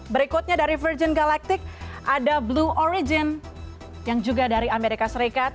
berikutnya dari virgin galactic ada blue origin yang juga dari amerika serikat